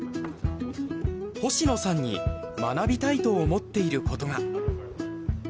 星野さんに学びたいと思っていることが。